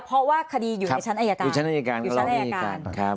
เพราะว่าคดีอยู่ในชั้นอายการอยู่ชั้นอายการก็ร้องอายการ